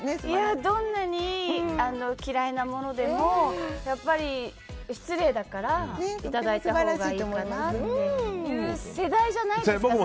どんなに嫌いなものでも失礼だからいただいたほうがいいかなという世代じゃないですか。